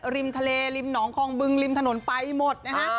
ริมทะเลริมหนองคองบึงริมถนนไปหมดนะฮะ